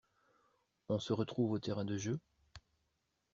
On se retrouve au terrain de jeu?